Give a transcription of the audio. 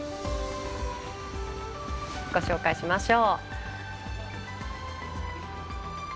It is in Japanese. ご紹介しましょう。